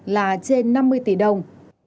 là trên năm mươi tỷ đồng